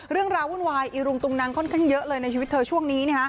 วุ่นวายอีรุงตุงนังค่อนข้างเยอะเลยในชีวิตเธอช่วงนี้